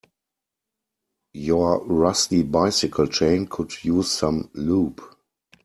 Your rusty bicycle chain could use some lube.